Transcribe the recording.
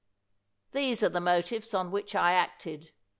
These are the motives on which I acted.